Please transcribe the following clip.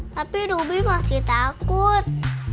tapi ruby masih takut